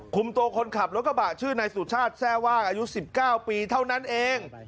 ตัวคนขับรถกระบะชื่อนายสุชาติแทร่ว่างอายุ๑๙ปีเท่านั้นเอง